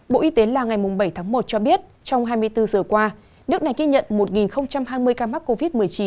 bộ y tế lào ngày bảy tháng một cho biết trong hai mươi bốn giờ qua nước này ghi nhận một hai mươi ca mắc covid một mươi chín